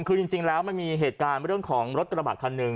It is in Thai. คือจริงแล้วมันมีเหตุการณ์เรื่องของรถกระบะคันหนึ่ง